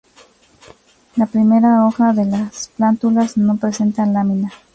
La primera hoja de las plántulas no presenta lámina.